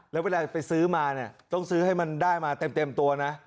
แล้วเวลาไปซื้อมาเนี่ยต้องซื้อให้มันได้มาเต็มตัวนะ